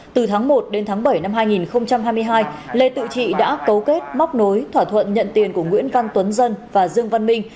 từ tháng một đến tháng bảy năm hai nghìn hai mươi hai lê tự trị đã cấu kết móc nối thỏa thuận nhận tiền của nguyễn văn tuấn dân và dương văn minh